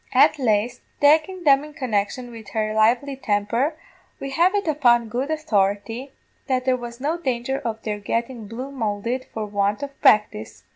At laist, takin' them in connection wid her lively temper, we have it upon good authority, that there was no danger of their getting blue moulded for want of practice.